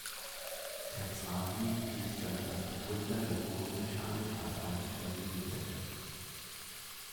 Terzaghi gilt damit als Begründer der Bodenmechanik als eigenständige Wissenschaft.